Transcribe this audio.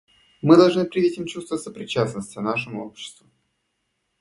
Мы должны привить им чувство сопричастности нашему обществу.